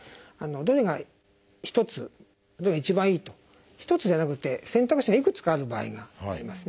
どれが一つが一番いいと一つじゃなくて選択肢がいくつかある場合がありますね。